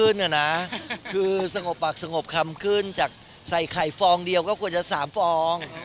พี่ตัวขึ้นน่ะนะสงบปากสงบคลับขึ้นจากใส่ไข่ฟองเดียวก็คงจะ๓ฟอง